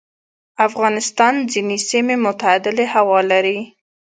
افغانستان ځینې سیمې معتدلې هوا لري.